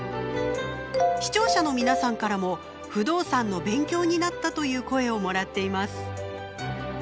視聴者の皆さんからも不動産の勉強になったという声をもらっています。